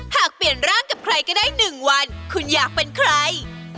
หากเปลี่ยนร่างกับใครก็ได้๑วันคุณอยากเป็นใคร